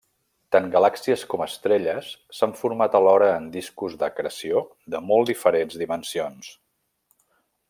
Tant galàxies com estrelles s'han format alhora en discos d'acreció de molt diferents dimensions.